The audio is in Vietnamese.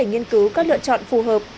nghiên cứu các lựa chọn phù hợp